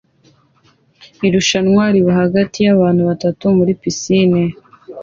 Irushanwa riba hagati yabantu batatu muri pisine